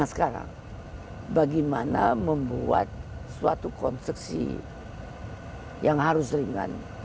sekarang bagaimana membuat suatu konstruksi yang harus ringan